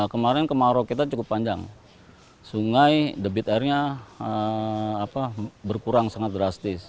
kemarin kemarau kita cukup panjang sungai debit airnya berkurang sangat drastis